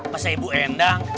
masa ibu endang